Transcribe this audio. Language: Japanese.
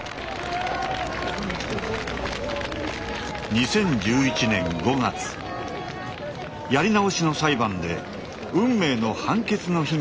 ２０１１年５月やり直しの裁判で運命の判決の日が訪れました。